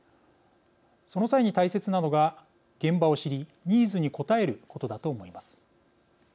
その際に大切なのが、現場を知りニーズに応えることだと思います。